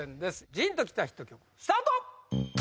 ジーンときたヒット曲スタート！